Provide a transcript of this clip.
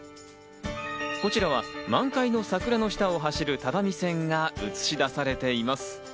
こちらは満開の桜の下を走る只見線が写し出されています。